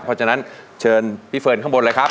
เพราะฉะนั้นเชิญพี่เฟิร์นข้างบนเลยครับ